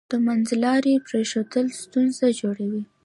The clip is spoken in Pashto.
د منځلارۍ پریښودل ستونزې جوړوي.